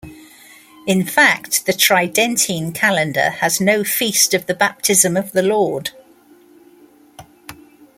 In fact, the Tridentine Calendar has no feast of the Baptism of the Lord.